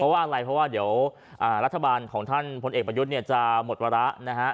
ว่าอะไรเพราะว่าเดี๋ยวรัฐบาลของท่านพลเอกประยุทธ์เนี่ยจะหมดวาระนะฮะ